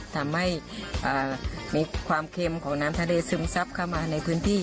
ทำให้มีความเค็มของน้ำทะเลซึมซับเข้ามาในพื้นที่